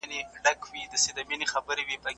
ایا دا د ماسپښین لمونځ دی که د مازدیګر قضا شوې ده؟